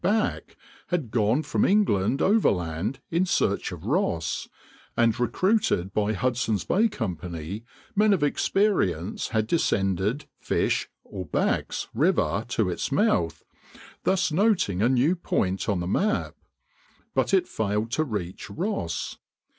Back had gone from England overland in search of Ross; and recruited by Hudson's Bay Company men of experience had descended Fish (or Back's) River to its mouth, thus noting a new point on the map; but it failed to reach Ross.